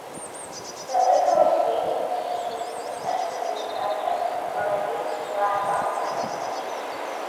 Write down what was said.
The overall breeding assemblage is exceptionally diverse for a British dry grassland site.